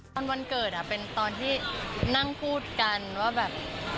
วันเกิดเป็นตอนที่นั่งพูดกันว่าแบบ